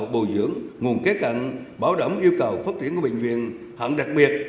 thủ tướng yêu cầu phát triển của bệnh viện hẳn đặc biệt